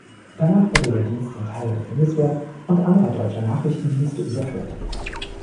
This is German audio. Danach wurde der Dienst in Teile der Bundeswehr und anderer deutscher Nachrichtendienste überführt.